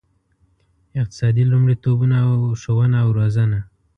اقتصادي لومړیتوبونه او ښوونه او روزنه.